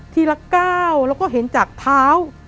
ละก้าวแล้วก็เห็นจากเท้า